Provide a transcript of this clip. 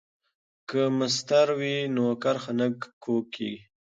که مسطر وي نو کرښه نه کوږ کیږي.